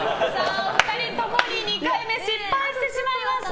お二人ともに２回目失敗してしまいました。